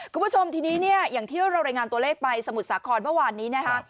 คุณผู้ชมทีนี้เนี่ยอย่างที่เรารายงานตัวเลขไปสมุทรสาครเมื่อวานนี้นะคะ